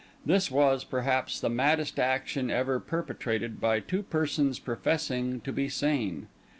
This was, perhaps, the maddest action ever perpetrated by two persons professing to be sane.